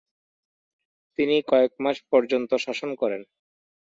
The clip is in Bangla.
তিনি কয়েকমাস পর্যন্ত শাসন করেন।